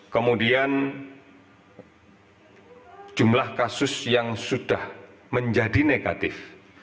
kemudian jumlah kasus yang sudah menjadi negatif